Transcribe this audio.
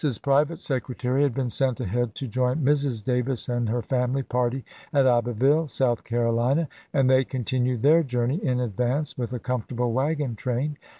Davis's private secretary had been sent ahead to join Mrs. Davis and her family party at Abbeville, Sonth Carolina, and they continued their journey, in advance, with a comfortable wagon train.